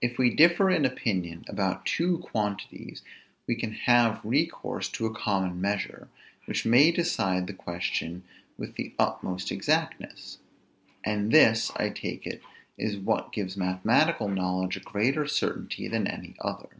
If we differ in opinion about two quantities, we can have recourse to a common measure, which may decide the question with the utmost exactness; and this, I take it, is what gives mathematical knowledge a greater certainty than any other.